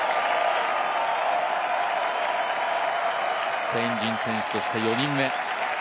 スペイン人選手として４人目。